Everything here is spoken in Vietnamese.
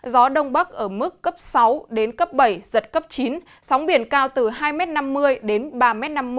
gió đông bắc ở mức cấp sáu bảy giật cấp chín sóng biển cao từ hai năm m đến ba năm m